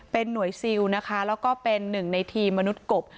เป็นหน่วยซิลนะคะแล้วก็เป็นหนึ่งในทีมมนุษย์กบ